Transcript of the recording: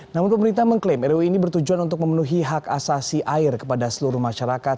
namun pemerintah mengklaim ruu ini bertujuan untuk memenuhi hak asasi air kepada seluruh masyarakat